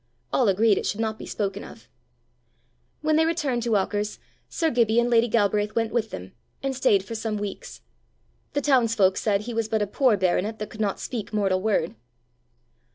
All agreed it should not be spoken of. When they returned to Auchars, sir Gibbie and lady Galbraith went with them, and staid for some weeks. The townsfolk said he was but a poor baronet that could not speak mortal word.